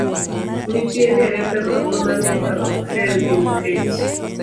Nitie derepe moko ma nindo ok tergi nikech